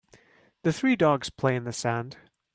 The three dogs play in the sand.